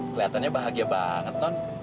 keliatannya bahagia banget